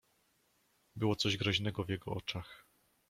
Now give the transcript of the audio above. "Było coś groźnego w jego oczach."